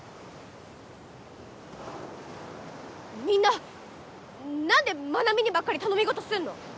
みんな何で愛未にばっかり頼み事すんの？